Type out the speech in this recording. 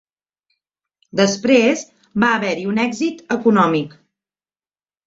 Després, va haver-hi un èxit econòmic.